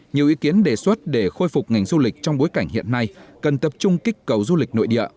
nhiều ý kiến đề xuất để khôi phục ngành du lịch trong bối cảnh hiện nay cần tập trung kích cầu du lịch nội địa